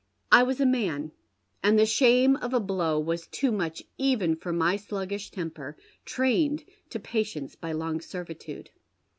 I was a man, and tlie shame of a blow was too much even for my sluggish temper, trained to patience by long servitude.